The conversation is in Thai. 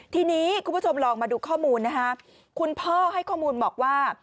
ทีนี้คุณผู้ชมลองมาดูข้อมูลนะคะคุณพ่อให้ข้อมูลบอกว่า